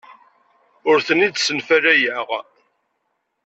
Ur ten-id-ssenfalayeɣ.